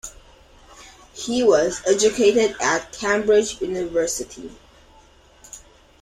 He was educated at Cambridge University.